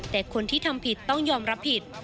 แต่คนที่ทำผิดต้องยอมรับผิด